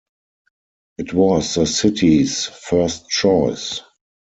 It was the city's first choice.